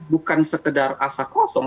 bukan sekedar asa kosong